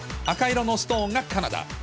赤色のストーンがカナダ。